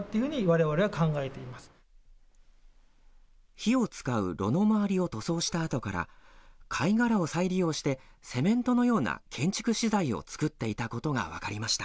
火を使う炉の周りを塗装した跡から、貝殻を再利用してセメントのような建築資材を作っていたことが分かりました。